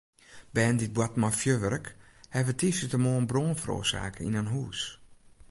Bern dy't boarten mei fjurwurk hawwe tiisdeitemoarn brân feroarsake yn in hûs.